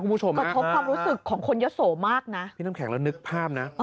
กระทบความรู้สึกของคนเยอะโสมากนะพี่น้ำแข็งแล้วนึกภาพนะ